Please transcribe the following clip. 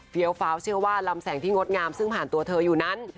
ฟ้าวเชื่อว่าลำแสงที่งดงามซึ่งผ่านตัวเธออยู่นั้น